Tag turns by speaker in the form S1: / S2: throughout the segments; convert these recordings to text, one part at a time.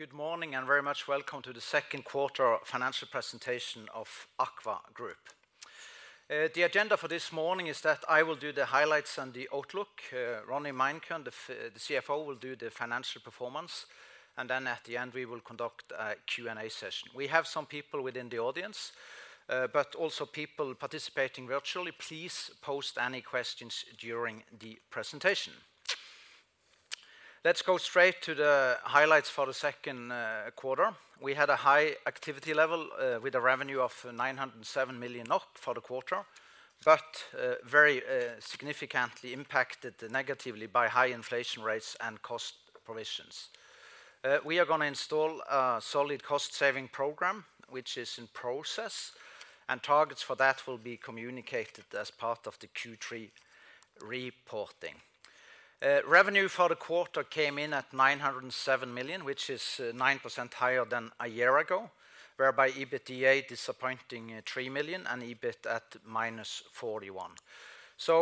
S1: Good morning and very much welcome to the second quarter financial presentation of AKVA Group. The agenda for this morning is that I will do the highlights and the outlook. Ronny Meinkøhn, the CFO, will do the financial performance, and then at the end we will conduct a Q&A session. We have some people within the audience, but also people participating virtually. Please post any questions during the presentation. Let's go straight to the highlights for the second quarter. We had a high activity level, with a revenue of 907 million for the quarter, but very significantly impacted negatively by high inflation rates and cost provisions. We are gonna install a solid cost-saving program which is in process, and targets for that will be communicated as part of the Q3 reporting. Revenue for the quarter came in at 907 million, which is 9% higher than a year ago, whereby EBITDA disappointing, 3 million and EBIT at -41.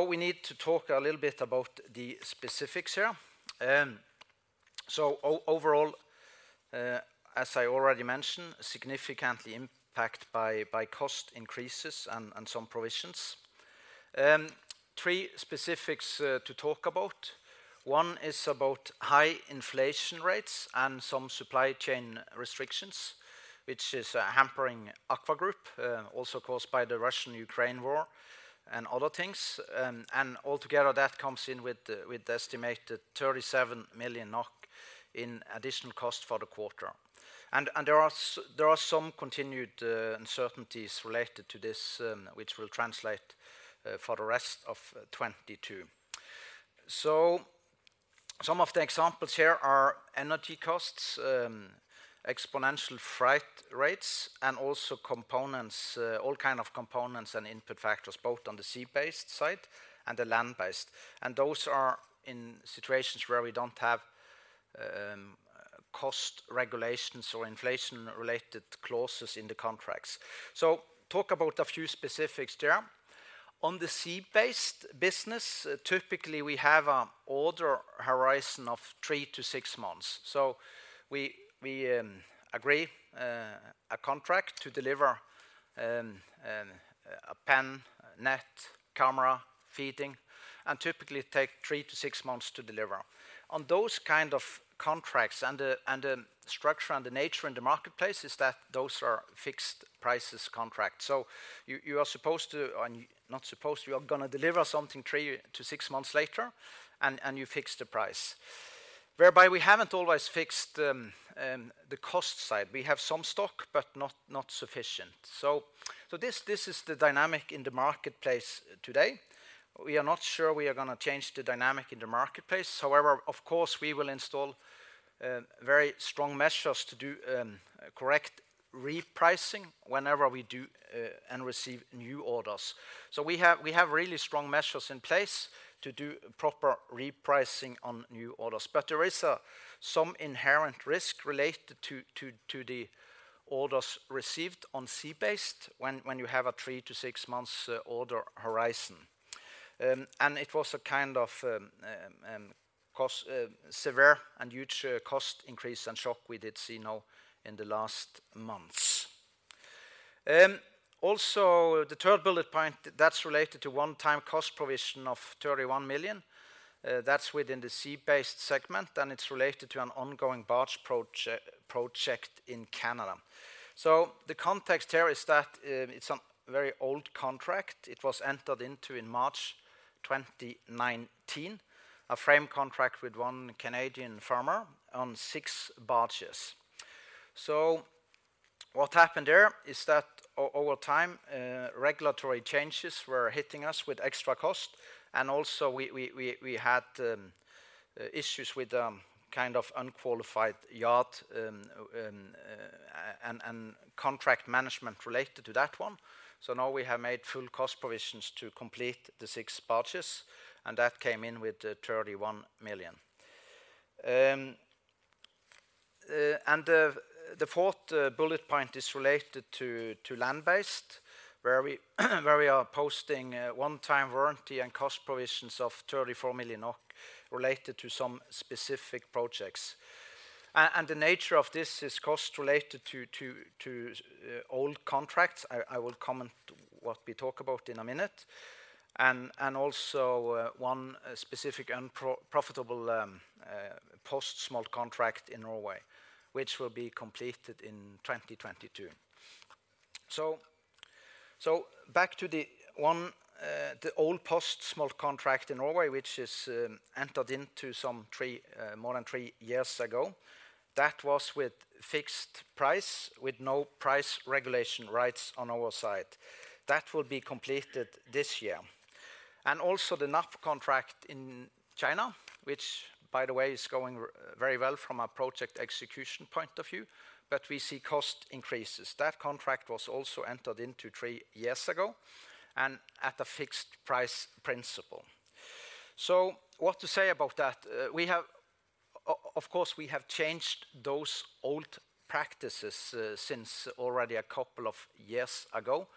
S1: We need to talk a little bit about the specifics here. Overall, as I already mentioned, significantly impact by cost increases and some provisions. Three specifics to talk about. One is about high inflation rates and some supply chain restrictions, which is hampering AKVA Group, also caused by the Russia-Ukraine war and other things. Altogether that comes in with the estimated 37 million NOK in additional cost for the quarter. There are some continued uncertainties related to this, which will translate for the rest of 2022. Some of the examples here are energy costs, exponential freight rates, and also components, all kind of components and input factors, both on the sea-based side and the land-based. Those are in situations where we don't have cost regulations or inflation-related clauses in the contracts. Talk about a few specifics there. On the sea-based business, typically we have an order horizon of three to six months. We agree a contract to deliver a pen, net, camera, feeding, and typically take three to six months to deliver. On those kind of contracts and the structure and the nature in the marketplace is that those are fixed-price contracts. You are supposed to deliver something three to six months later and you fix the price. Whereby we haven't always fixed the cost side. We have some stock, but not sufficient. This is the dynamic in the marketplace today. We are not sure we are gonna change the dynamic in the marketplace. However, of course, we will install very strong measures to do correct repricing whenever we do and receive new orders. We have really strong measures in place to do proper repricing on new orders. There is some inherent risk related to the orders received on sea-based when you have a 3-6 months order horizon. It was a kind of severe and huge cost increase and shock we did see now in the last months. Also the third bullet point that's related to one-time cost provision of 31 million. That's within the sea-based segment, and it's related to an ongoing barge project in Canada. The context here is that it's a very old contract. It was entered into in March 2019, a frame contract with 1 Canadian farmer on 6 barges. What happened there is that over time, regulatory changes were hitting us with extra cost. Also we had issues with the kind of unqualified yard, and contract management related to that one. Now we have made full cost provisions to complete the six barges, and that came in with the 31 million. The fourth bullet point is related to land-based, where we are posting a one-time warranty and cost provisions of 34 million related to some specific projects. The nature of this is cost related to old contracts. I will comment what we talk about in a minute. Also, one specific unprofitable post-smolt contract in Norway, which will be completed in 2022. Back to the old post-smolt contract in Norway, which is entered into more than three years ago. That was with fixed price, with no price regulation rights on our side. That will be completed this year. Also the NAP contract in China, which by the way is going very well from a project execution point of view, but we see cost increases. That contract was also entered into three years ago and at a fixed price principle. What to say about that? Of course, we have changed those old practices since already a couple of years ago.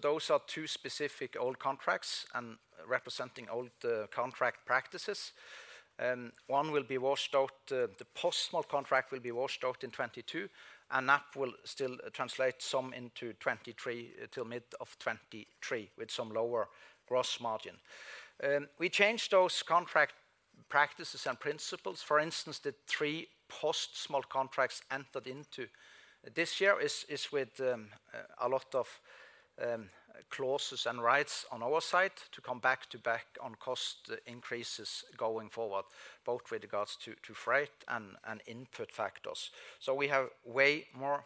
S1: Those are two specific old contracts and representing old contract practices. One will be washed out, the post-smolt contract will be washed out in 2022, and that will still translate some into 2023, till mid of 2023 with some lower gross margin. We changed those contract practices and principles. For instance, the three post-smolt contracts entered into this year is with a lot of clauses and rights on our side to come back to back on cost increases going forward, both with regards to freight and input factors. We have way more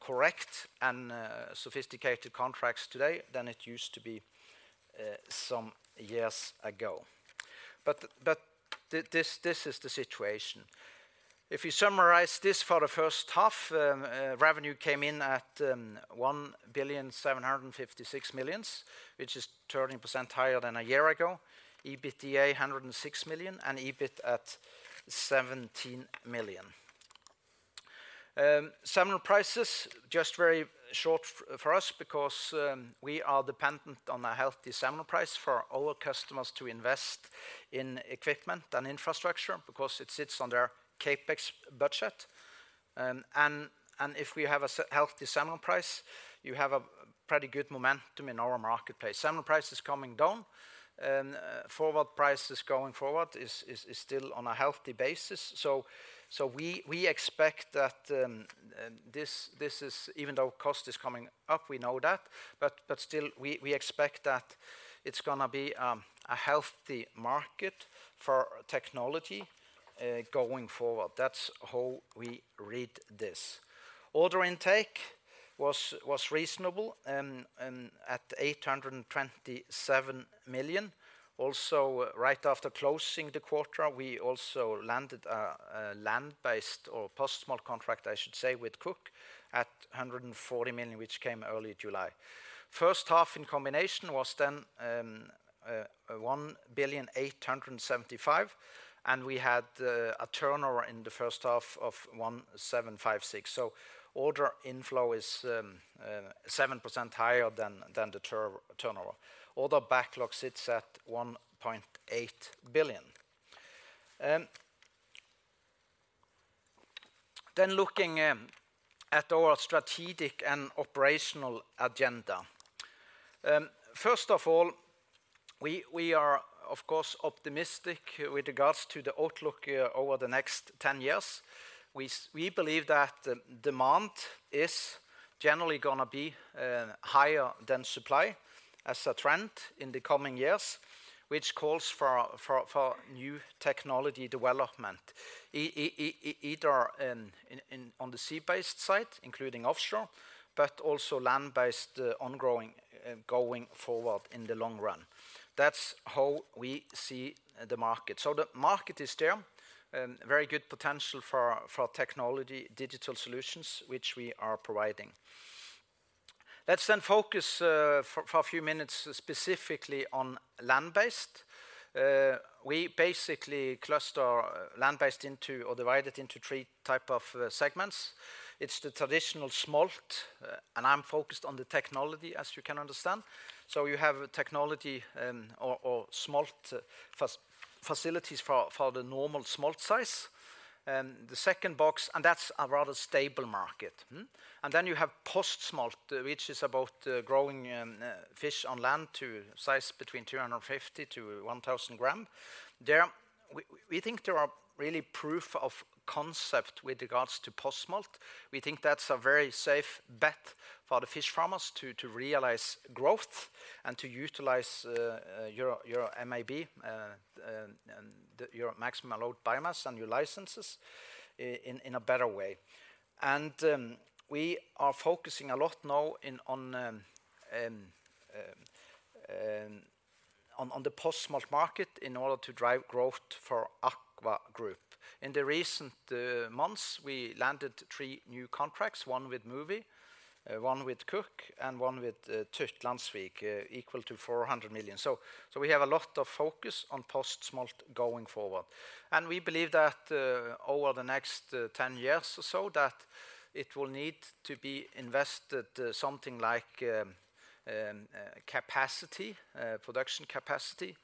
S1: correct and sophisticated contracts today than it used to be some years ago. This is the situation. If you summarize this for the first half, revenue came in at 1,756 million, which is 30% higher than a year ago. EBITDA 106 million, and EBIT at 17 million. Salmon prices just very short for us because we are dependent on a healthy salmon price for our customers to invest in equipment and infrastructure because it sits on their CapEx budget. If we have a healthy salmon price, you have a pretty good momentum in our marketplace. Salmon price is coming down. Forward prices going forward is still on a healthy basis. We expect that this is, even though cost is coming up, we know that, but still we expect that it's gonna be a healthy market for technology going forward. That's how we read this. Order intake was reasonable at 827 million. Also, right after closing the quarter, we landed a land-based or post-smolt contract, I should say, with Cooke Aquaculture at 140 million, which came early July. First half in combination was one billion eight hundred and seventy-five, and we had a turnover in the first half of 1,756. Order inflow is seven percent higher than the turnover. Order backlog sits at 1.8 billion. Looking at our strategic and operational agenda. First of all, we are of course optimistic with regards to the outlook over the next ten years. We believe that demand is generally gonna be higher than supply as a trend in the coming years, which calls for new technology development either in on the sea-based side, including offshore, but also land-based on-growing going forward in the long run. That's how we see the market. The market is there, very good potential for technology, digital solutions which we are providing. Let's focus for a few minutes specifically on land-based. We basically cluster land-based into or divide it into three type of segments. It's the traditional smolt, and I'm focused on the technology, as you can understand. You have technology or smolt facilities for the normal smolt size. The second box, and that's a rather stable market. Then you have post-smolt, which is about growing fish on land to size between 350-1,000 gram. We think there are really proof of concept with regards to post-smolt. We think that's a very safe bet for the fish farmers to realize growth and to utilize your MAB, your maximum allowed biomass and your licenses in a better way. We are focusing a lot now on the post-smolt market in order to drive growth for AKVA Group. In the recent months, we landed three new contracts, one with Mowi, one with Cooke Aquaculture, and one with Tytlandsvik Aqua, equal to 400 million. We have a lot of focus on post-smolt going forward. We believe that over the next 10 years or so, that it will need to be invested something like capacity, production capacity,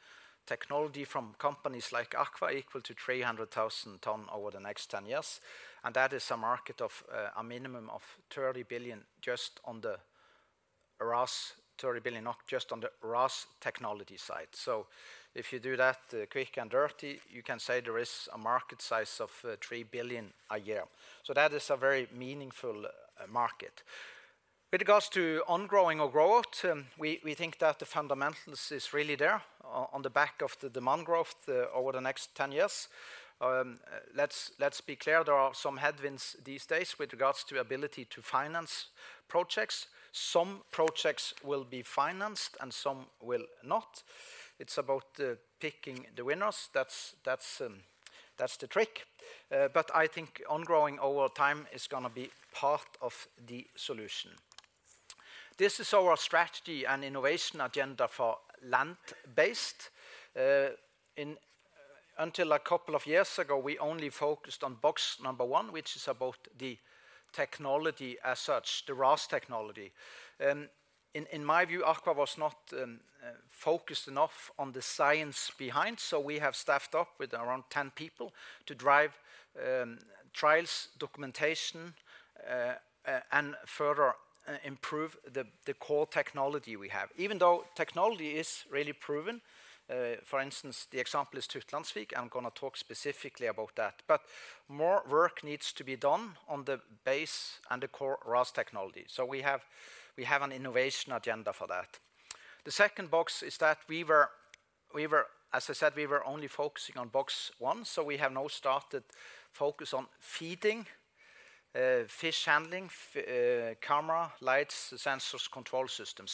S1: technology from companies like AKVA equal to 300,000 tons over the next 10 years. That is a market of a minimum of 30 billion just on the RAS. 30 billion, not just on the RAS technology side. If you do that quick and dirty, you can say there is a market size of 3 billion a year. That is a very meaningful market. With regards to on-growing or growth, we think that the fundamentals is really there on the back of the demand growth over the next 10 years. Let's be clear, there are some headwinds these days with regards to ability to finance projects. Some projects will be financed and some will not. It's about picking the winners. That's the trick. I think on-growing over time is gonna be part of the solution. This is our strategy and innovation agenda for land-based. Until a couple of years ago, we only focused on box number one, which is about the technology as such, the RAS technology. In my view, AKVA was not focused enough on the science behind, so we have staffed up with around 10 people to drive trials, documentation, and further improve the core technology we have. Even though the technology is really proven, for instance, the example is Tytlandsvik. I'm gonna talk specifically about that. More work needs to be done on the base and the core RAS technology, so we have an innovation agenda for that. The second box is that we were, as I said, only focusing on box one, so we have now started focus on feeding, fish handling, camera, lights, sensors, control system.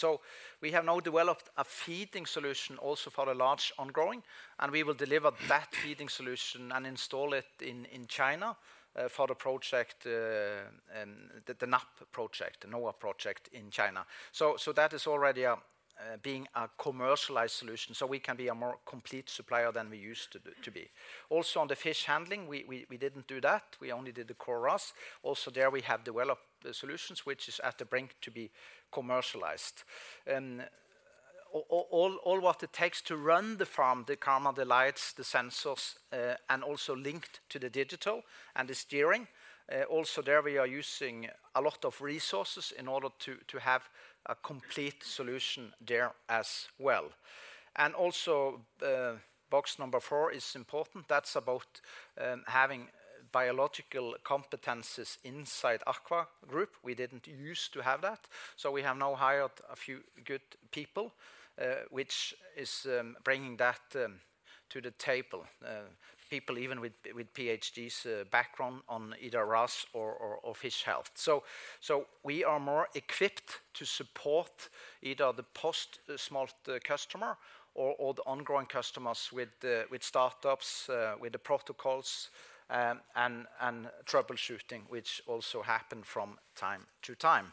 S1: We have now developed a feeding solution also for the large on-growing, and we will deliver that feeding solution and install it in China for the NAP project, the NAP project in China. That is already being commercialized, so we can be a more complete supplier than we used to be. Also, on the fish handling, we didn't do that. We only did the core RAS. Also there we have developed the solutions which is at the brink to be commercialized. All what it takes to run the farm, the camera, the lights, the sensors, and also linked to the digital and the steering, also there we are using a lot of resources in order to have a complete solution there as well. Also, box number four is important. That's about having biological competencies inside AKVA Group. We didn't use to have that. We have now hired a few good people, which is bringing that to the table. People even with Ph.D.s background on either RAS or fish health. We are more equipped to support either the post-smolt customer or the on-growing customers with the startups with the protocols and troubleshooting, which also happen from time to time.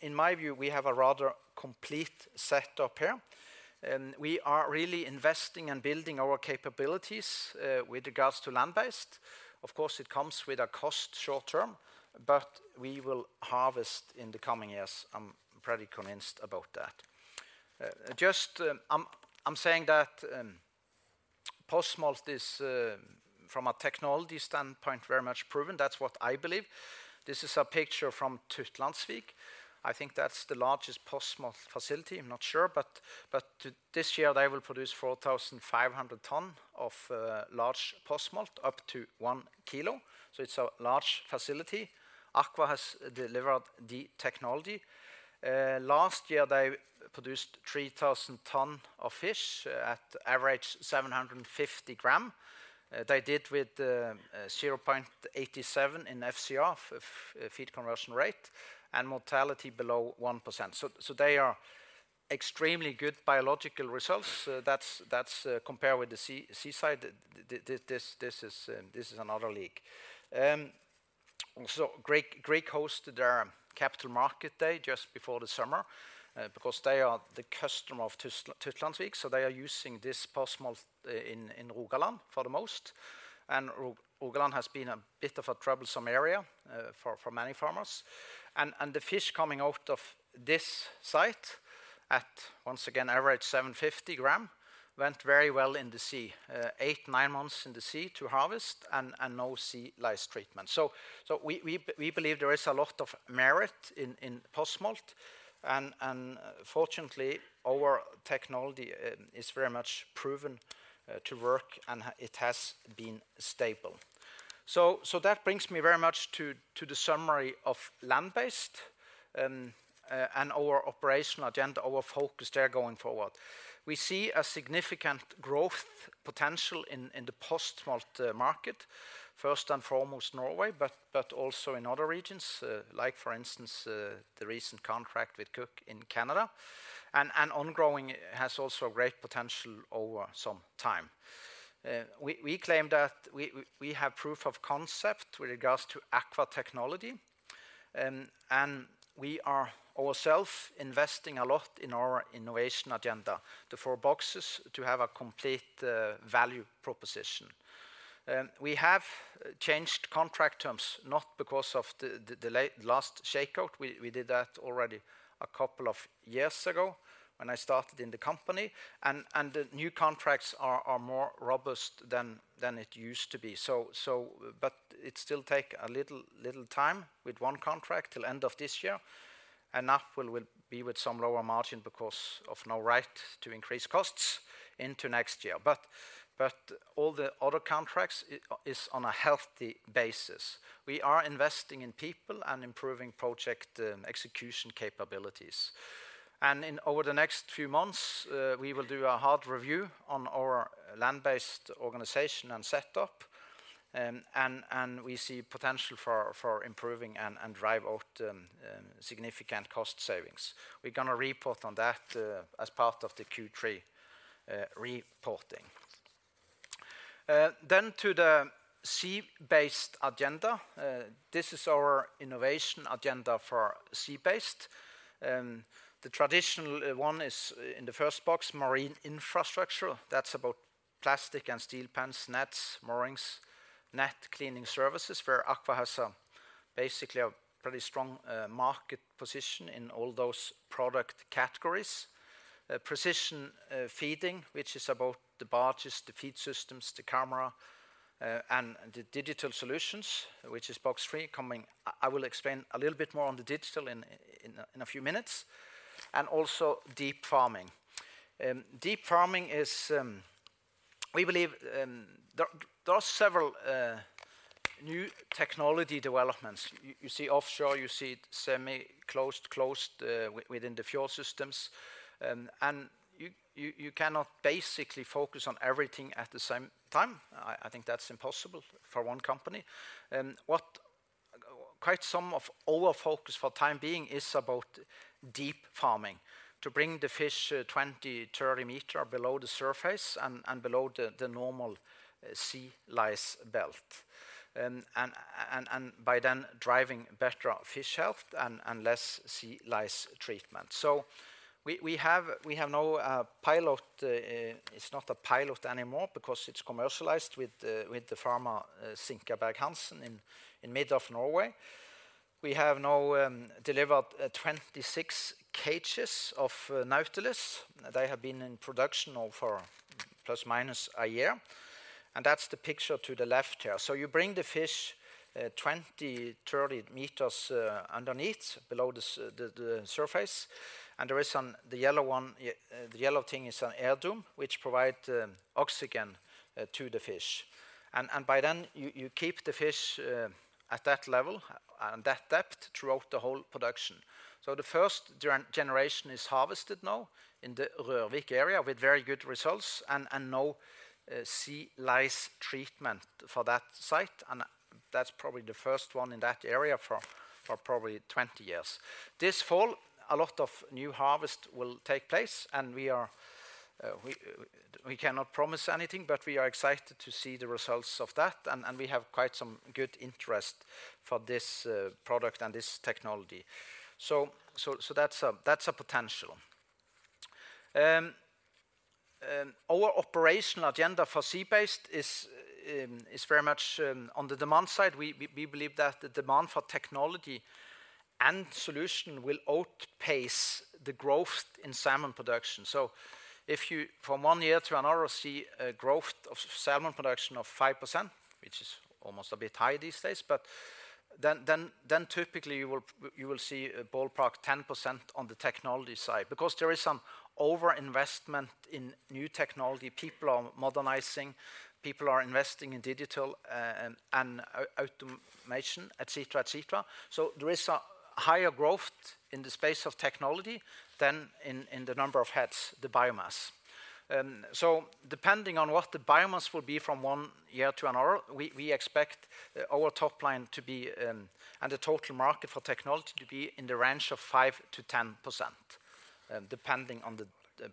S1: In my view, we have a rather complete setup here. We are really investing and building our capabilities with regards to land-based. Of course, it comes with a cost short term, but we will harvest in the coming years. I'm pretty convinced about that. Just, I'm saying that post-smolt is from a technology standpoint very much proven. That's what I believe. This is a picture from Tytlandsvik. I think that's the largest post-smolt facility. I'm not sure. This year they will produce 4,500 tons of large post-smolt, up to one kilo, so it's a large facility. AKVA has delivered the technology. Last year they produced 3,000 tons of fish at average 750 g. They did with 0.87 in FCR, feed conversion rate, and mortality below 1%. They are extremely good biological results. That's compared with the sea, seaside. This is another league. Grieg hosted their capital market day just before the summer, because they are the customer of Tytlandsvik, so they are using this post-smolt in Rogaland for the most. Rogaland has been a bit of a troublesome area for many farmers. The fish coming out of this site, once again, average 750 gram, went very well in the sea. 8-9 months in the sea to harvest and no sea lice treatment. We believe there is a lot of merit in post-smolt and fortunately, our technology is very much proven to work, and it has been stable. That brings me very much to the summary of land-based and our operational agenda, our focus there going forward. We see a significant growth potential in the post-smolt market, first and foremost Norway, but also in other regions, like, for instance, the recent contract with Cooke in Canada. On-growing has also great potential over some time. We have proof of concept with regards to AKVA technology, and we are ourselves investing a lot in our innovation agenda, the four boxes, to have a complete value proposition. We have changed contract terms, not because of the last shakeout. We did that already a couple of years ago when I started in the company. The new contracts are more robust than it used to be. It still take a little time with one contract till end of this year. NAP will be with some lower margin because of no right to increase costs into next year. But all the other contracts is on a healthy basis. We are investing in people and improving project execution capabilities. Over the next few months, we will do a hard review on our land-based organization and setup, and we see potential for improving and drive out significant cost savings. We're gonna report on that as part of the Q3 reporting. To the sea-based agenda. This is our innovation agenda for sea-based. The traditional one is in the first box, marine infrastructure. That's about plastic and steel pens, nets, moorings, net cleaning services where AKVA has basically a pretty strong market position in all those product categories. Precision feeding, which is about the barges, the feed systems, the camera, and the digital solutions, which is box three coming. I will explain a little bit more on the digital in a few minutes. Also deep farming. Deep farming is, we believe, there are several new technology developments. You see offshore, you see semi-closed, closed within the fjord systems. You cannot basically focus on everything at the same time. I think that's impossible for one company. With quite some of our focus for the time being is about deep farming to bring the fish 20-30 m below the surface and below the normal sea lice belt. By then driving better fish health and less sea lice treatment. We have now a pilot. It's not a pilot anymore because it's commercialized with the farmer SinkabergHansen in mid of Norway. We have now delivered 26 cages of Nautilus. They have been in production now for plus minus a year. That's the picture to the left here. You bring the fish 20-30 m underneath the surface, and the yellow one, the yellow thing is an air dome which provide oxygen to the fish. By then you keep the fish at that level and that depth throughout the whole production. The first generation is harvested now in the Rørvik area with very good results and no sea lice treatment for that site. That's probably the first one in that area for probably 20 years. This fall, a lot of new harvest will take place and we cannot promise anything, but we are excited to see the results of that and we have quite some good interest for this product and this technology. That's a potential. Our operational agenda for sea based is very much on the demand side. We believe that the demand for technology and solution will outpace the growth in salmon production. If you from one year to another see a growth of salmon production of 5%, which is almost a bit high these days, but then typically you will see a ballpark 10% on the technology side, because there is some overinvestment in new technology. People are modernizing, people are investing in digital, and automation, et cetera, et cetera. There is a higher growth in the space of technology than in the number of heads, the biomass. Depending on what the biomass will be from one year to another, we expect our top line to be, and the total market for technology to be in the range of 5%-10%, depending on the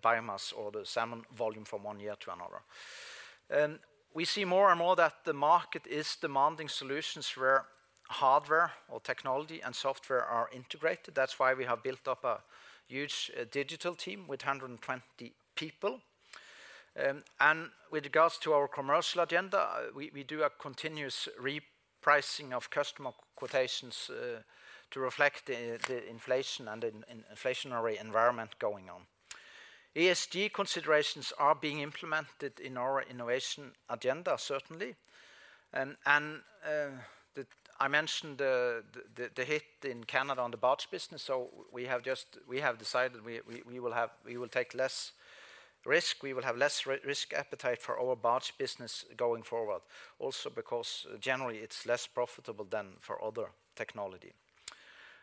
S1: biomass or the salmon volume from one year to another. We see more and more that the market is demanding solutions where hardware or technology and software are integrated. That's why we have built up a huge digital team with 120 people. With regards to our commercial agenda, we do a continuous repricing of customer quotations to reflect the inflation and inflationary environment going on. ESG considerations are being implemented in our innovation agenda, certainly. I mentioned the hit in Canada on the barge business. We have decided we will take less risk. We will have less risk appetite for our barge business going forward. Also, because generally it's less profitable than for other technology.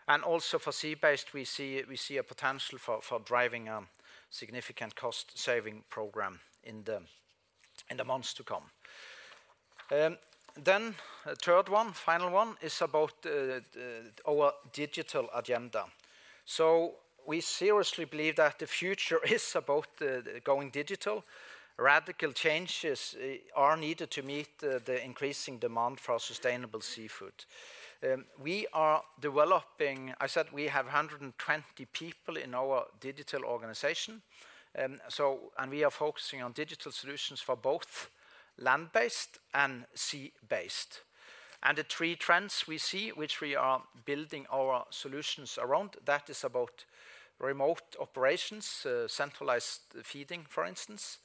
S1: Also for sea based, we see a potential for driving a significant cost saving program in the months to come. The third one, final one is about our digital agenda. We seriously believe that the future is about going digital. Radical changes are needed to meet the increasing demand for sustainable seafood. We are developing. I said we have 120 people in our digital organization. We are focusing on digital solutions for both land based and sea based. The three trends we see which we are building our solutions around that is about remote operations, centralized feeding, for instance,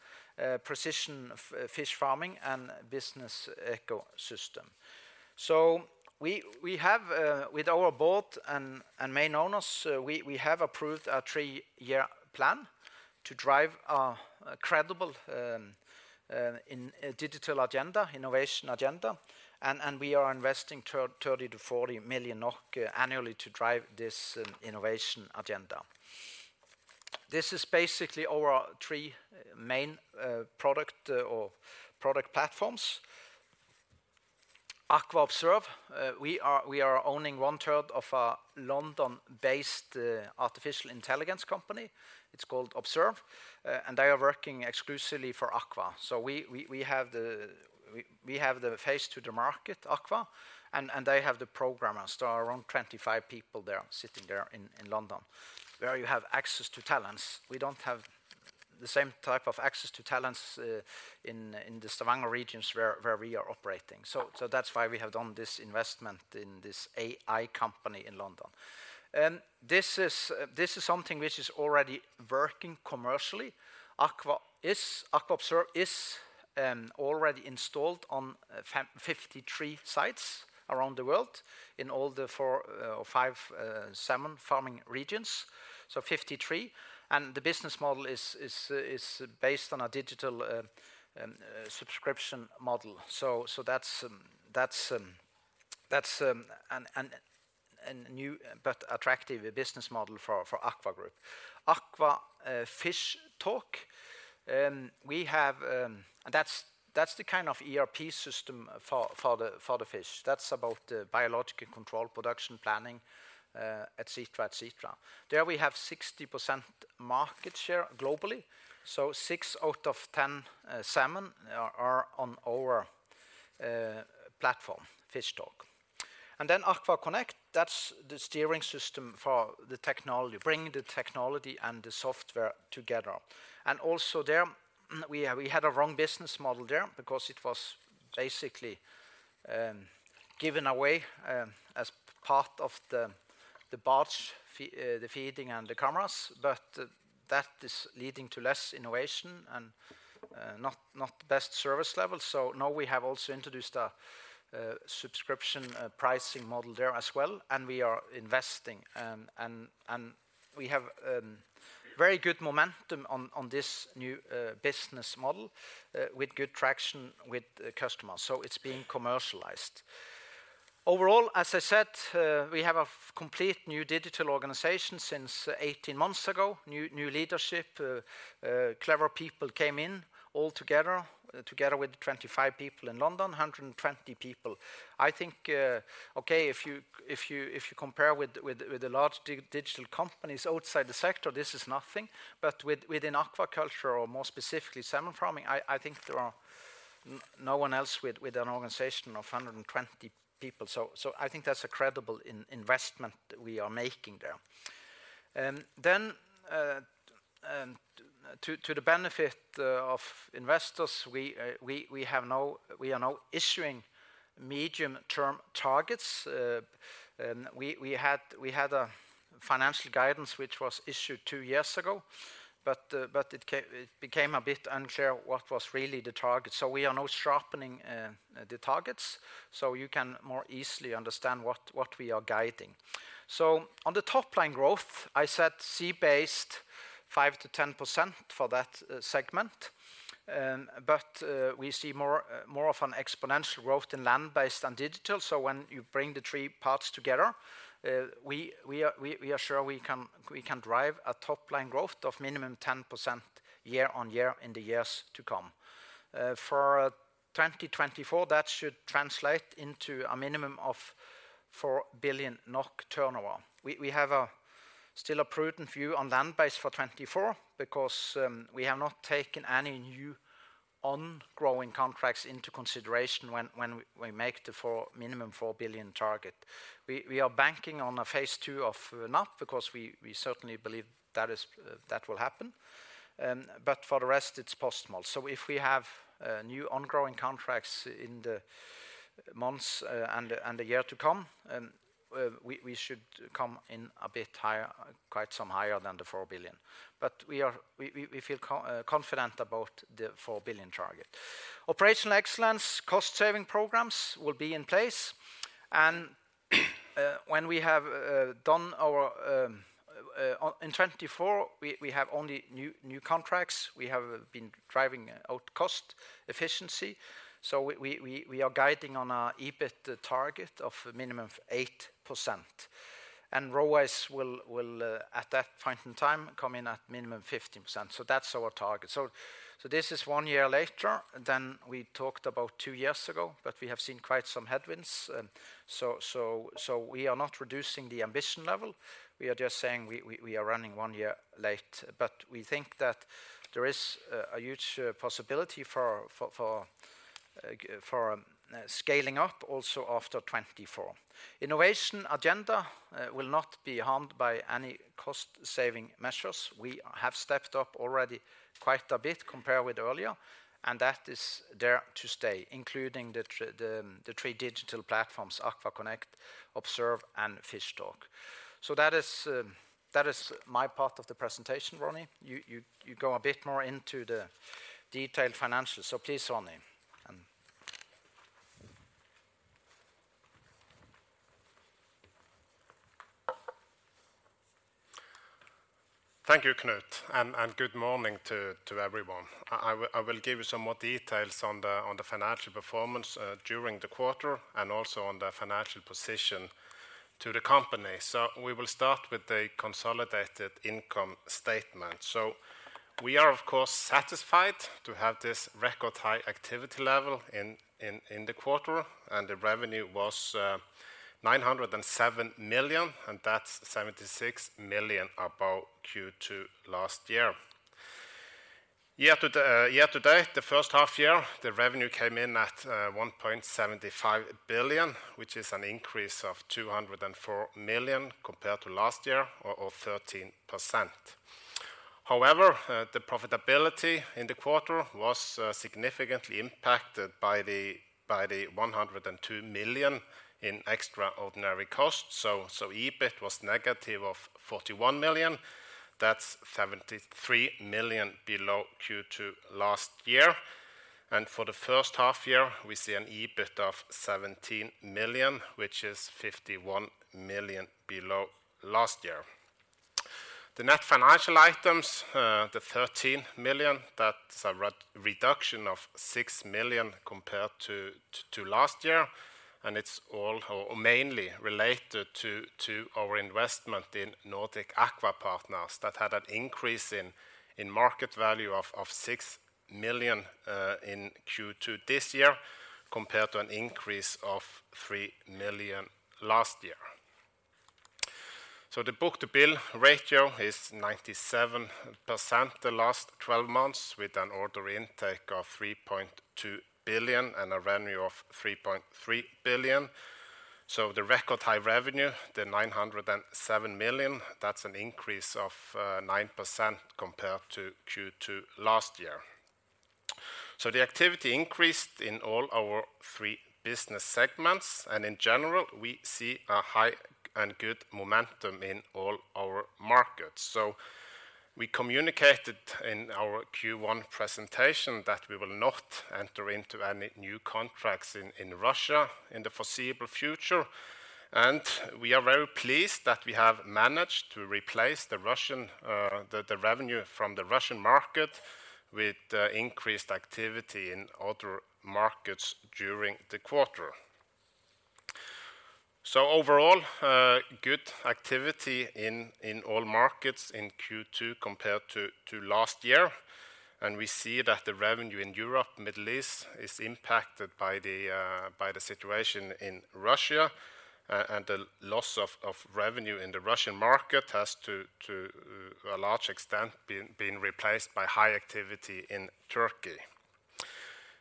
S1: precision fish farming and business ecosystem. We have with our board and main owners, we have approved a three year plan to drive a credible digital agenda, innovation agenda. We are investing 30 million-40 million NOK annually to drive this innovation agenda. This is basically our three main product platforms, AKVA Observe. We are owning one third of a London-based artificial intelligence company. It's called Observe, and they are working exclusively for AKVA. We have the face to the market, AKVA, and they have the programmers. There are around 25 people there, sitting there in London where you have access to talents. We don't have the same type of access to talents in the Stavanger regions where we are operating. That's why we have done this investment in this AI company in London. This is something which is already working commercially. AKVA Observe is already installed on 53 sites around the world in all the four or five salmon farming regions. Fifty-three. The business model is based on a digital subscription model. That's a new but attractive business model for AKVA Group. AKVA Fishtalk. That's the kind of ERP system for the fish. That's about the biological control production planning, et cetera. There we have 60% market share globally, so six out of ten salmon are on our platform, Fishtalk. AKVA Connect, that's the steering system for the technology, bringing the technology and the software together. Also there, we had a wrong business model there because it was basically given away as part of the feeding and the cameras, but that is leading to less innovation and not the best service level. Now we have also introduced a subscription pricing model there as well, and we are investing and we have very good momentum on this new business model with good traction with customers. It's being commercialized. Overall, as I said, we have a complete new digital organization since 18 months ago. New leadership, clever people came in all together with 25 people in London, 120 people. I think, okay, if you compare with the large digital companies outside the sector, this is nothing. Within aquaculture or more specifically salmon farming, I think there are no one else with an organization of 120 people. I think that's a credible investment we are making there. To the benefit of investors, we are now issuing medium-term targets. We had a financial guidance which was issued two years ago, but it became a bit unclear what was really the target. We are now sharpening the targets, so you can more easily understand what we are guiding. On the top-line growth, I said sea-based 5%-10% for that segment. We see more of an exponential growth in land-based and digital. When you bring the three parts together, we are sure we can drive a top-line growth of minimum 10% year-on-year in the years to come. For 2024, that should translate into a minimum of 4 billion NOK turnover. We still have a prudent view on land-based for 2024 because we have not taken any new ongrowing contracts into consideration when we make the minimum 4 billion target. We are banking on a phase two of NAP because we certainly believe that will happen. For the rest it's post-smolt. If we have new ongoing contracts in the months and the year to come, we should come in a bit higher, quite some higher than the 4 billion. We feel confident about the 4 billion target. Operational excellence, cost saving programs will be in place and when we have done our in 2024, we have only new contracts. We have been driving out cost efficiency. We are guiding on our EBIT target of minimum 8%. ROACE will at that point in time come in at minimum 15%. That's our target. This is one year later than we talked about two years ago, but we have seen quite some headwinds. We are not reducing the ambition level. We are just saying we are running one year late. We think that there is a huge possibility for scaling up also after 2024. Innovation agenda will not be harmed by any cost saving measures. We have stepped up already quite a bit compared with earlier, and that is there to stay, including the three digital platforms, AKVA Connect, AKVA Observe and Fishtalk. That is my part of the presentation. Ronny, you go a bit more into the detailed financials. Please, Ronny.
S2: Thank you, Knut, and good morning to everyone. I will give you some more details on the financial performance during the quarter and also on the financial position. To the company. We will start with the consolidated income statement. We are of course satisfied to have this record high activity level in the quarter, and the revenue was 907 million, and that's 76 million above Q2 last year. Year to date, the first half year, the revenue came in at 1.75 billion, which is an increase of 204 million compared to last year or 13%. However, the profitability in the quarter was significantly impacted by the 102 million in extraordinary costs. EBIT was negative of 41 million. That's 73 million below Q2 last year. For the first half year, we see an EBIT of 17 million, which is 51 million below last year. The net financial items, the 13 million, that's a reduction of 6 million compared to last year, and it's all or mainly related to our investment in Nordic Aqua Partners that had an increase in market value of 6 million in Q2 this year compared to an increase of 3 million last year. The book-to-bill ratio is 97% the last twelve months with an order intake of 3.2 billion and a revenue of 3.3 billion. The record high revenue, the 907 million, that's an increase of 9% compared to Q2 last year. The activity increased in all our three business segments, and in general, we see a high and good momentum in all our markets. We communicated in our Q1 presentation that we will not enter into any new contracts in Russia in the foreseeable future. We are very pleased that we have managed to replace the revenue from the Russian market with increased activity in other markets during the quarter. Overall, good activity in all markets in Q2 compared to last year. We see that the revenue in Europe, Middle East is impacted by the situation in Russia, and the loss of revenue in the Russian market has to a large extent been replaced by high activity in Turkey.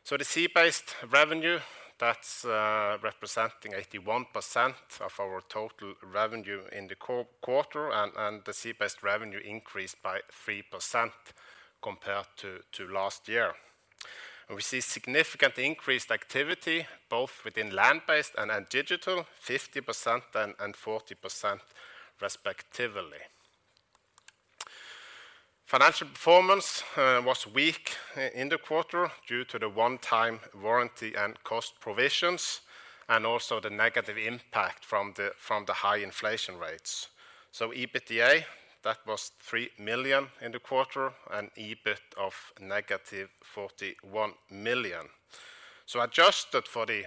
S2: The Sea Based revenue, that's representing 81% of our total revenue in the quarter, and the Sea Based revenue increased by 3% compared to last year. We see significantly increased activity both within Land Based and Digital, 50% and 40% respectively. Financial performance was weak in the quarter due to the one-time warranty and cost provisions and also the negative impact from the high inflation rates. EBITDA that was 3 million in the quarter and EBIT of -41 million. Adjusted for the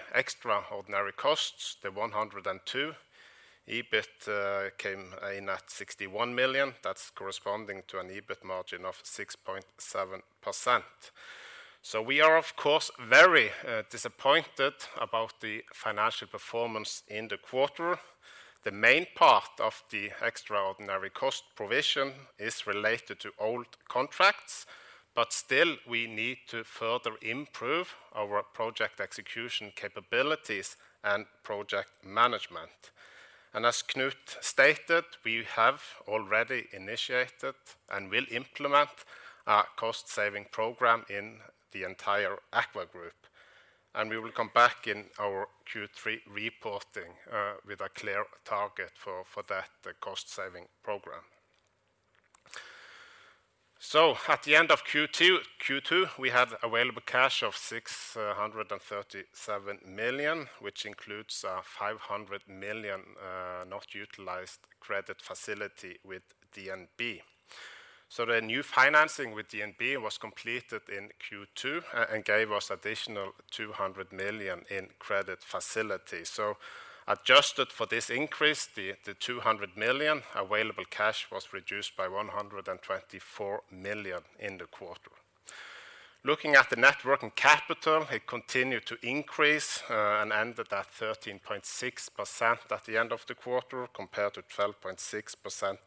S2: extraordinary costs, the 102 million, EBIT came in at 61 million. That's corresponding to an EBIT margin of 6.7%. We are of course very disappointed about the financial performance in the quarter. The main part of the extraordinary cost provision is related to old contracts, but still, we need to further improve our project execution capabilities and project management. As Knut stated, we have already initiated and will implement a cost-saving program in the entire AKVA Group. We will come back in our Q3 reporting with a clear target for that, the cost-saving program. At the end of Q2, we have available cash of 637 million, which includes 500 million not utilized credit facility with DNB. The new financing with DNB was completed in Q2 and gave us additional 200 million in credit facility. Adjusted for this increase, the 200 million available cash was reduced by 124 million in the quarter. Looking at the net working capital, it continued to increase and ended at 13.6% at the end of the quarter compared to 12.6%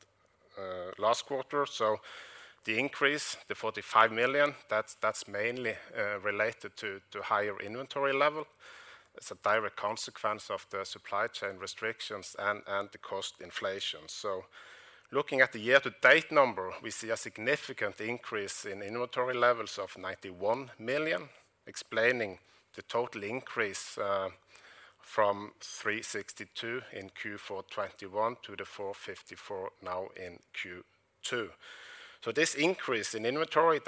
S2: last quarter. The increase, the 45 million, that's mainly related to higher inventory level as a direct consequence of the supply chain restrictions and the cost inflation. Looking at the year-to-date number, we see a significant increase in inventory levels of 91 million, explaining the total increase from 362 in Q4 2021 to the 454 now in Q2. This increase in inventory,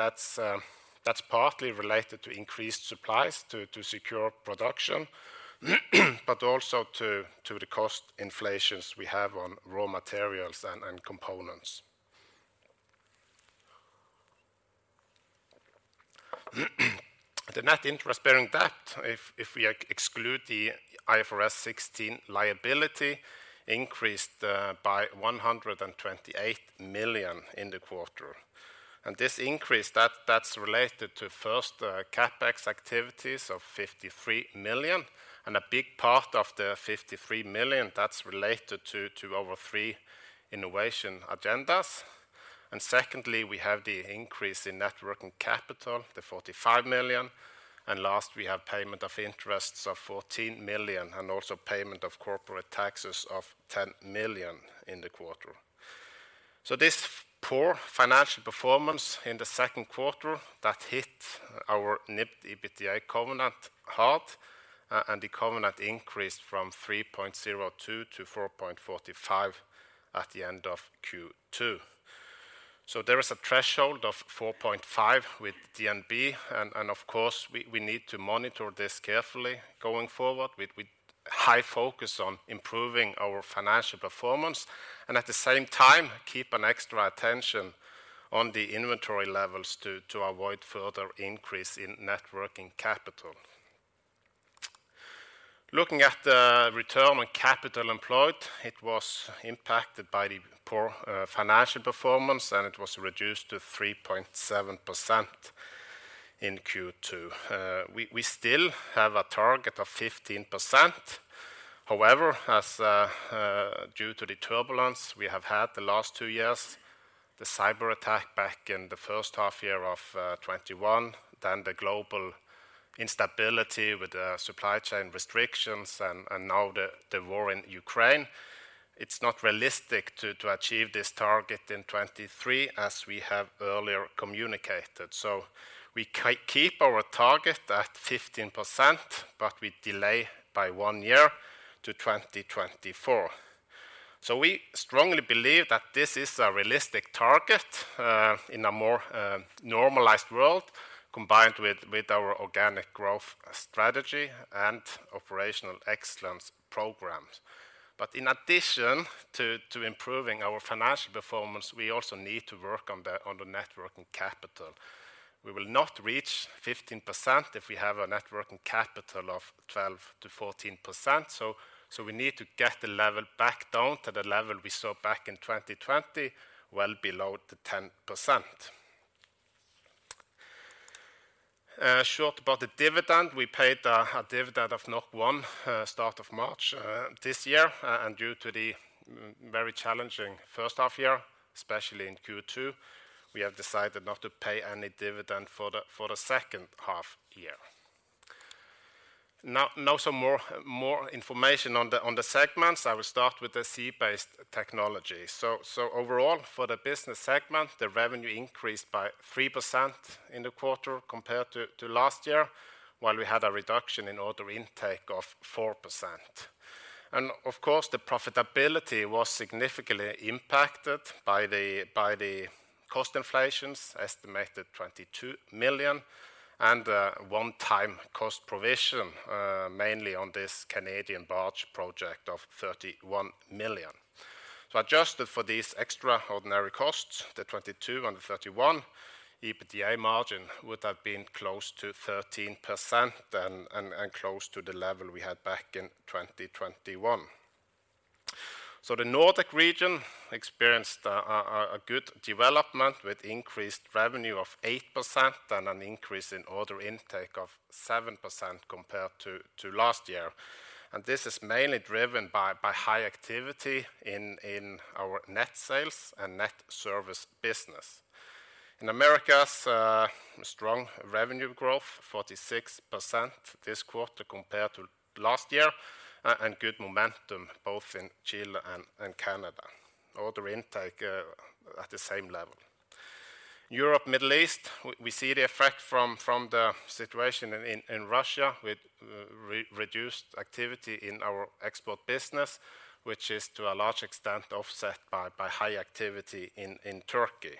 S2: that's partly related to increased supplies to secure production, but also to the cost inflations we have on raw materials and components. The net interest bearing debt, if we exclude the IFRS 16 liability, increased by 128 million in the quarter. This increase that's related to first, CapEx activities of 53 million, and a big part of the 53 million that's related to our three innovation agendas. Secondly, we have the increase in net working capital, the 45 million. Last, we have payment of interests of 14 million, and also payment of corporate taxes of 10 million in the quarter. This poor financial performance in the second quarter that hit our NIBD/EBITDA covenant hard, and the covenant increased from 3.02 to 4.45 at the end of Q2. There is a threshold of 4.5 with DNB, and of course we need to monitor this carefully going forward with high focus on improving our financial performance, and at the same time, keep an extra attention on the inventory levels to avoid further increase in net working capital. Looking at the return on capital employed, it was impacted by the poor financial performance, and it was reduced to 3.7% in Q2. We still have a target of 15%. However, as due to the turbulence we have had the last two years, the cyber attack back in the first half year of 2021, then the global instability with the supply chain restrictions and now the war in Ukraine, it's not realistic to achieve this target in 2023 as we have earlier communicated. We keep our target at 15%, but we delay by one year to 2024. We strongly believe that this is a realistic target in a more normalized world, combined with our organic growth strategy and operational excellence programs. In addition to improving our financial performance, we also need to work on the net working capital. We will not reach 15% if we have a net working capital of 12%-14%. We need to get the level back down to the level we saw back in 2020, well below the 10%. Short about the dividend, we paid a dividend of 1 start of March this year, and due to the very challenging first half year, especially in Q2, we have decided not to pay any dividend for the second half year. Now some more information on the segments. I will start with the sea-based technology. Overall, for the business segment, the revenue increased by 3% in the quarter compared to last year, while we had a reduction in order intake of 4%. Of course, the profitability was significantly impacted by the cost inflations, estimated 22 million, and a one-time cost provision, mainly on this Canadian barge project of 31 million. Adjusted for these extraordinary costs, the 22 and the 31, EBITDA margin would have been close to 13% and close to the level we had back in 2021. The Nordic region experienced a good development with increased revenue of 8% and an increase in order intake of 7% compared to last year. This is mainly driven by high activity in our net sales and net service business. In Americas, strong revenue growth, 46% this quarter compared to last year, and good momentum both in Chile and Canada. Order intake at the same level. Europe, Middle East, we see the effect from the situation in Russia with reduced activity in our export business, which is to a large extent offset by high activity in Turkey.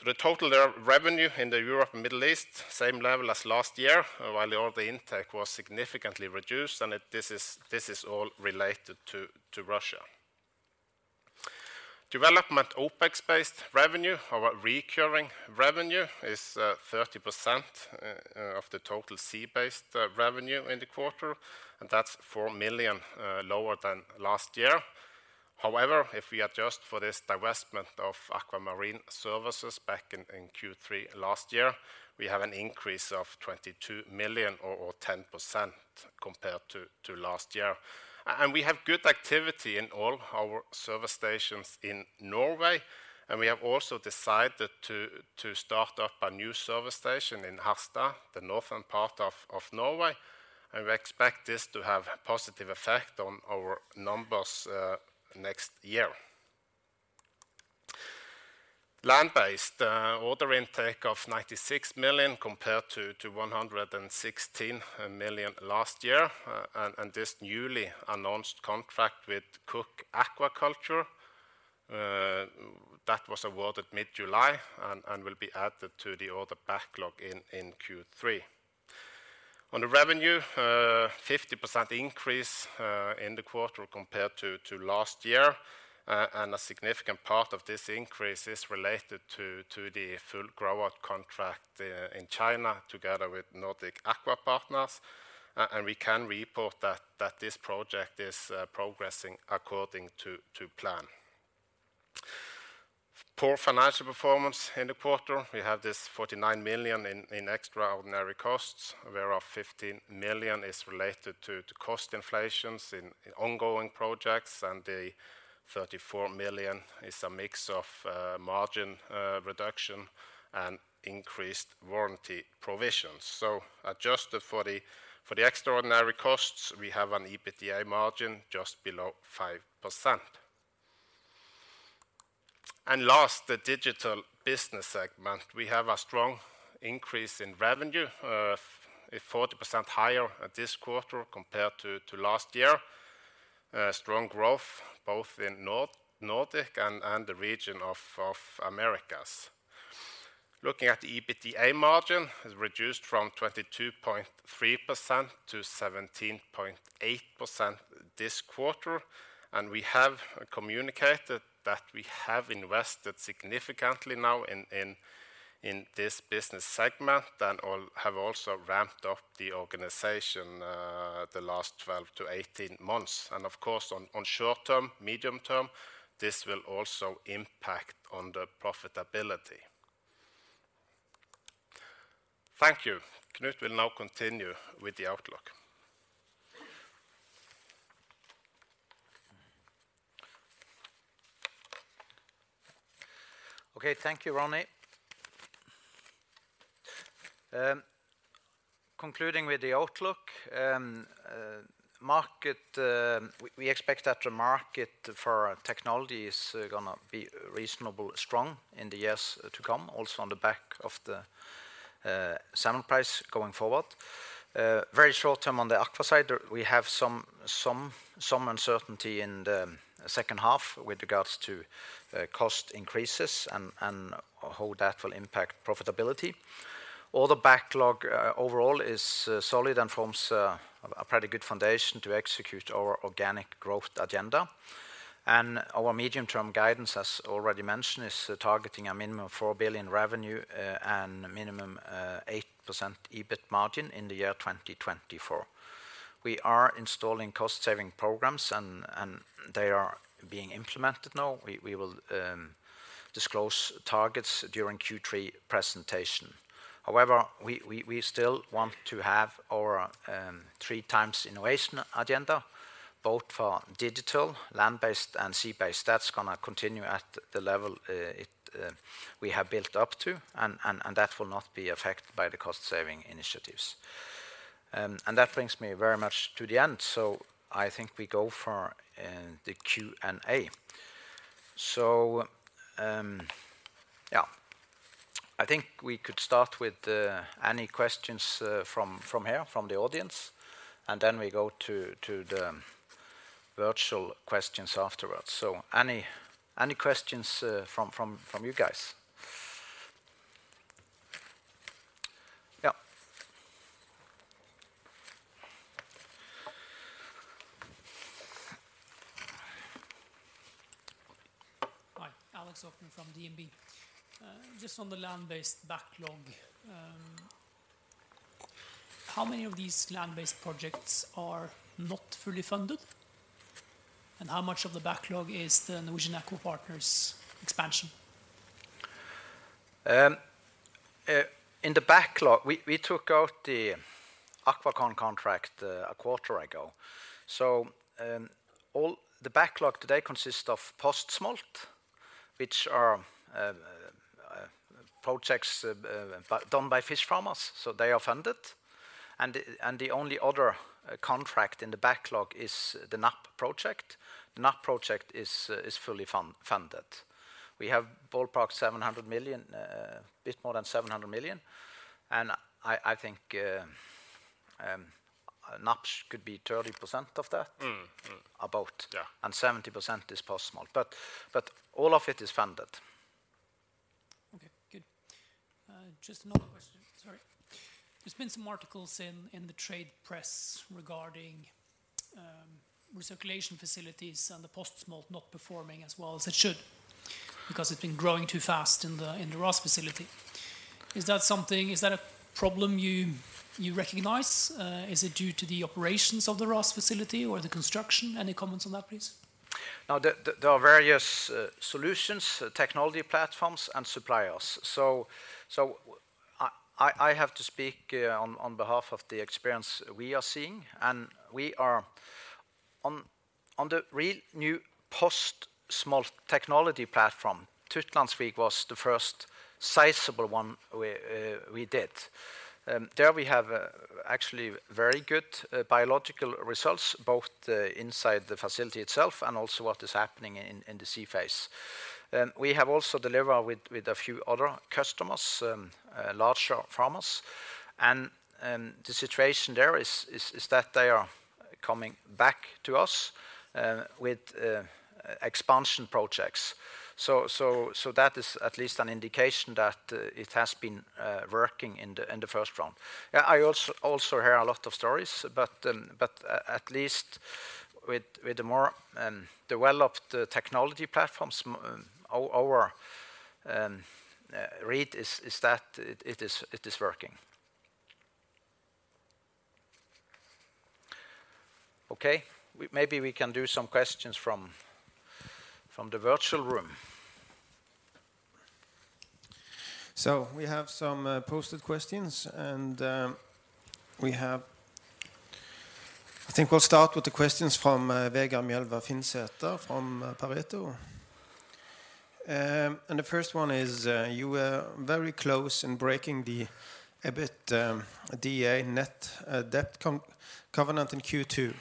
S2: The total revenue in Europe and Middle East, same level as last year, while the order intake was significantly reduced, and this is all related to Russia. Development OPEX-based revenue, our recurring revenue is 30% of the total sea-based revenue in the quarter, and that's 4 million lower than last year. However, if we adjust for this divestment of AKVA Marine Services back in Q3 last year, we have an increase of 22 million or 10% compared to last year. We have good activity in all our service stations in Norway, and we have also decided to start up a new service station in Harstad, the northern part of Norway, and we expect this to have a positive effect on our numbers next year. Land-based order intake of 96 million compared to 116 million last year, and this newly announced contract with Cooke Aquaculture that was awarded mid-July and will be added to the order backlog in Q3. On the revenue, 50% increase in the quarter compared to last year. A significant part of this increase is related to the full grow-out contract in China together with Nordic Aqua Partners. We can report that this project is progressing according to plan. Poor financial performance in the quarter. We have this 49 million in extraordinary costs, whereof 15 million is related to cost inflations in ongoing projects and the 34 million is a mix of margin reduction and increased warranty provisions. Adjusted for the extraordinary costs, we have an EBITDA margin just below 5%. Last, the digital business segment. We have a strong increase in revenue of 40% higher at this quarter compared to last year. Strong growth both in Nordic and the region of Americas. Looking at the EBITDA margin is reduced from 22.3% to 17.8% this quarter. We have communicated that we have invested significantly now in this business segment and have also ramped up the organization, the last 12-18 months. Of course, on short-term, medium-term, this will also impact on the profitability. Thank you. Knut will now continue with the outlook.
S1: Okay. Thank you, Ronny. Concluding with the outlook, market, we expect that the market for our technology is gonna be reasonably strong in the years to come, also on the back of the salmon price going forward. Very short term on the aqua side, we have some uncertainty in the second half with regards to cost increases and how that will impact profitability. Order backlog overall is solid and forms a pretty good foundation to execute our organic growth agenda. Our medium-term guidance, as already mentioned, is targeting a minimum of 4 billion revenue and minimum 8% EBIT margin in the year 2024. We are installing cost-saving programs and they are being implemented now. We will disclose targets during Q3 presentation. However, we still want to have our three times innovation agenda, both for digital, land-based, and sea-based. That's gonna continue at the level we have built up to, and that will not be affected by the cost-saving initiatives. That brings me very much to the end. I think we go for the Q&A. Yeah. I think we could start with any questions from here, from the audience, and then we go to the virtual questions afterwards. Any questions from you guys? Yeah.
S3: Hi. Alexander Aukner from DNB. Just on the land-based backlog, how many of these land-based projects are not fully funded? How much of the backlog is the Nordic Aqua Partners expansion?
S1: In the backlog, we took out the AquaCon contract a quarter ago. All the backlog today consists of post-smolt, which are projects done by fish farmers, so they are funded. The only other contract in the backlog is the NAP project. The NAP project is fully funded. We have ballpark 700 million, a bit more than 700 million. I think NAP's could be 30% of that.
S3: Mm-hmm. Mm-hmm.
S1: About.
S3: Yeah.
S1: 70% is post-smolt. All of it is funded.
S3: Okay, good. Just another question. Sorry. There's been some articles in the trade press regarding recirculation facilities and the post-smolt not performing as well as it should because it's been growing too fast in the RAS facility. Is that a problem you recognize? Is it due to the operations of the RAS facility or the construction? Any comments on that, please?
S1: Now, there are various solutions, technology platforms, and suppliers. I have to speak on behalf of the experience we are seeing. We are on the really new post-smolt technology platform. Tytlandsvik was the first sizable one we did. There we have actually very good biological results, both inside the facility itself and also what is happening in the sea phase. We have also delivered to a few other customers, larger farmers. The situation there is that they are coming back to us with expansion projects. That is at least an indication that it has been working in the first round. Yeah, I also hear a lot of stories, but at least with the more developed technology platforms, our read is that it is working. Okay. Maybe we can do some questions from the virtual room.
S4: We have some posted questions. I think we'll start with the questions from Vegard Mjelde from Pareto Securities. The first one is you were very close in breaking the EBITDA net debt covenant in Q2.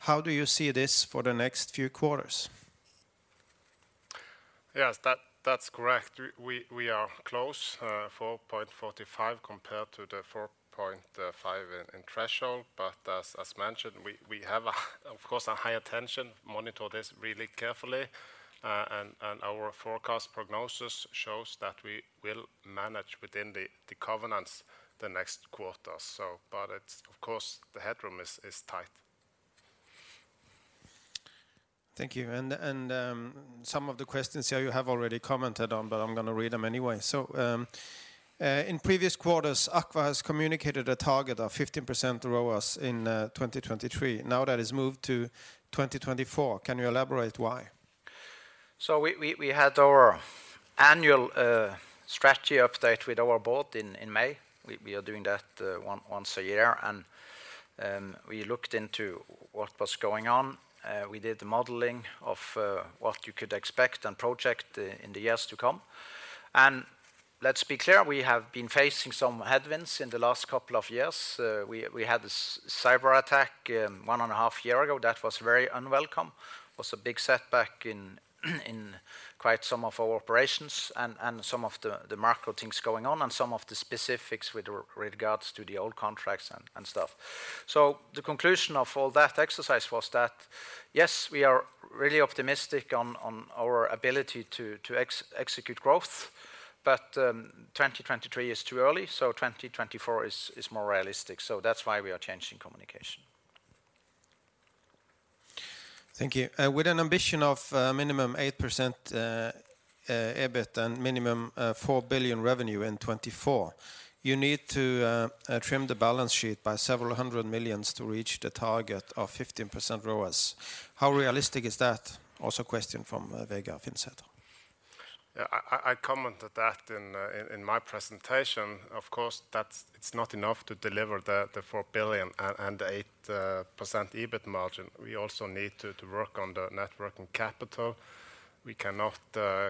S4: How do you see this for the next few quarters?
S2: Yes. That's correct. We are close, 4.45 compared to the 4.5 threshold. As mentioned, we have, of course, a high attention to monitor this really carefully. And our forecast prognosis shows that we will manage within the covenants in the next quarter. Of course, the headroom is tight.
S4: Thank you. Some of the questions here you have already commented on, but I'm gonna read them anyway. In previous quarters, AKVA has communicated a target of 15% ROACE in 2023. Now that is moved to 2024. Can you elaborate why?
S1: We had our annual strategy update with our board in May. We are doing that once a year. We looked into what was going on. We did the modeling of what you could expect and project in the years to come. Let's be clear, we have been facing some headwinds in the last couple of years. We had this cyberattack one and a half year ago that was very unwelcome, was a big setback in quite some of our operations and some of the macro things going on, and some of the specifics with regards to the old contracts and stuff. The conclusion of all that exercise was that, yes, we are really optimistic on our ability to execute growth, but 2023 is too early, so 2024 is more realistic. That's why we are changing communication.
S4: Thank you. With an ambition of minimum 8% EBIT and minimum 4 billion revenue in 2024, you need to trim the balance sheet by NOK several hundred million to reach the target of 15% ROACE. How realistic is that? Also a question from Vegard Mjelde.
S2: I commented that in my presentation. Of course that's it's not enough to deliver the 4 billion and the 8% EBIT margin. We also need to work on the net working capital. We cannot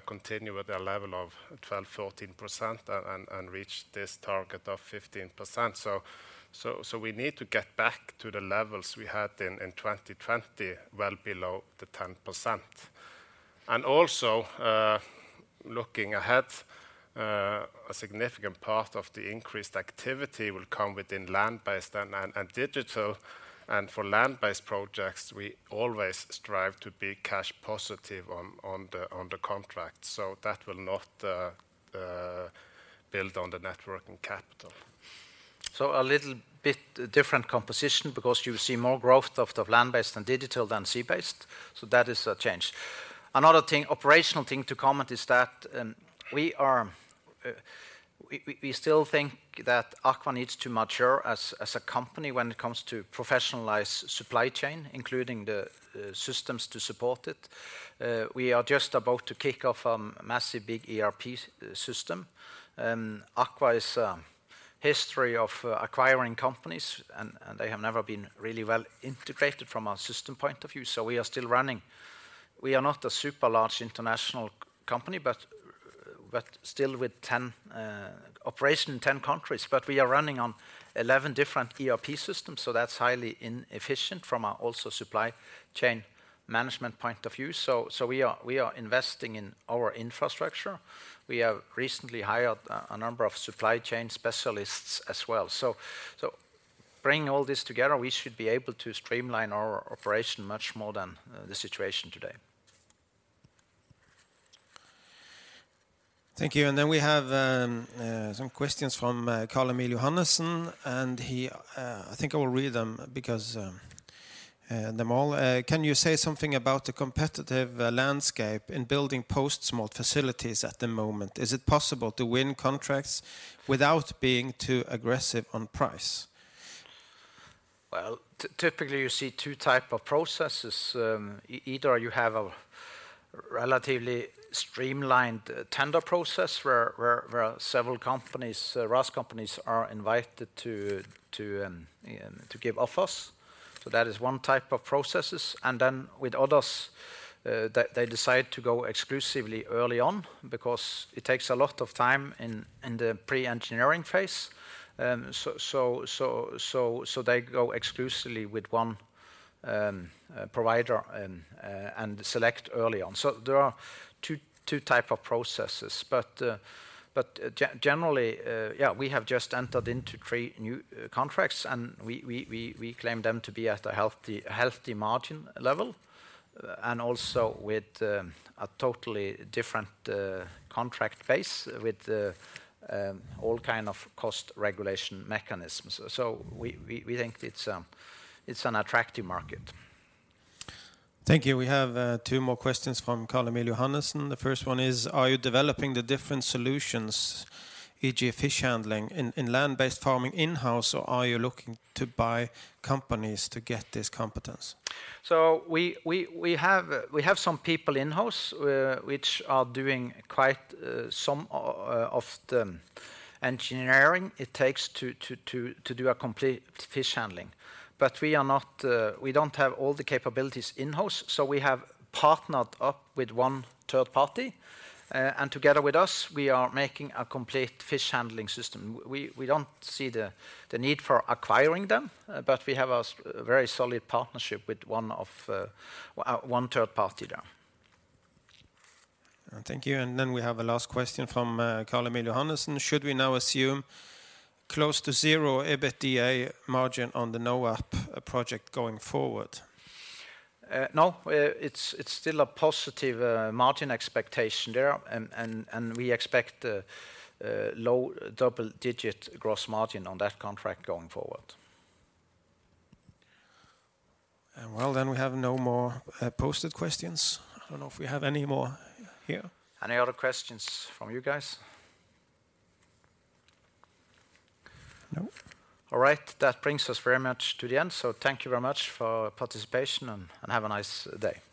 S2: continue with the level of 12%-14% and reach this target of 15%. We need to get back to the levels we had in 2020, well below the 10%. Also looking ahead, a significant part of the increased activity will come within land-based and digital. For land-based projects, we always strive to be cash positive on the contract. That will not build on the net working capital.
S1: A little bit different composition because you see more growth of land-based and digital than sea-based, so that is a change. Another thing, operational thing to comment is that we still think that AKVA needs to mature as a company when it comes to professionalizing the supply chain, including the systems to support it. We are just about to kick off massive big ERP system. AKVA's history of acquiring companies and they have never been really well integrated from a system point of view. We are still running on 11 different ERP systems. We are not a super large international company, but still with 10 operations in 10 countries. We are running on 11 different ERP systems, so that's highly inefficient also from a supply chain management point of view. We are investing in our infrastructure. We have recently hired a number of supply chain specialists as well. Bringing all this together, we should be able to streamline our operation much more than the situation today.
S4: Thank you. We have some questions from Carl-Emil Kjølås Johannessen. I think I will read them all. Can you say something about the competitive landscape in building post-smolt facilities at the moment? Is it possible to win contracts without being too aggressive on price?
S1: Well, typically, you see two type of processes. Either you have a relatively streamlined tender process where several companies, RAS companies are invited to give offers. That is one type of processes. Then with others, they decide to go exclusively early on because it takes a lot of time in the pre-engineering phase. They go exclusively with one provider and select early on. There are two type of processes. Generally, yeah, we have just entered into three new contracts, and we claim them to be at a healthy margin level, and also with a totally different contract base with all kind of cost regulation mechanisms. We think it's an attractive market.
S4: Thank you. We have two more questions from Carl-Emil Kjølås Johannessen. The first one is: Are you developing the different solutions, e.g., fish handling in land-based farming in-house, or are you looking to buy companies to get this competence?
S1: We have some people in-house which are doing quite some of the engineering it takes to do a complete fish handling. We don't have all the capabilities in-house, so we have partnered up with one third party. Together with us, we are making a complete fish handling system. We don't see the need for acquiring them, but we have a very solid partnership with one third party there.
S4: Thank you. We have a last question from Carl-Emil Kjølås Johannessen. Should we now assume close to zero EBITDA margin on the NAP project going forward?
S1: No. It's still a positive margin expectation there and we expect a low double-digit gross margin on that contract going forward.
S4: Well, then we have no more posted questions. I don't know if we have any more here.
S1: Any other questions from you guys? No. All right. That brings us very much to the end. Thank you very much for participation and have a nice day.